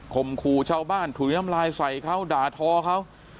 ข่มครูเช่าบ้านถูย้ำลายใส่เค้าด่าทอเค้า